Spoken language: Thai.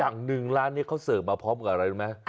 อย่างหนึ่งร้านนี้เขาเสิร์ฟมาพร้อมกับอะไรรู้ไหม